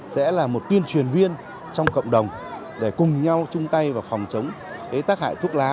sẽ là một tuyên truyền viên trong cộng đồng để cùng nhau chung tay vào phòng chống tác hại thuốc lá